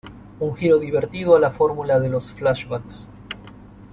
Un giro divertido a la fórmula de los flashbacks.